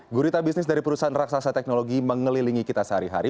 gurita bisnis dari perusahaan raksasa teknologi mengelilingi kita sehari hari